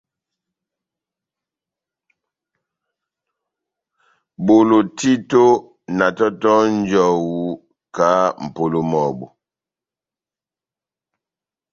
Bolo títo na tɔtɔhɔni njɔwu kahá mʼpolo mɔ́bu.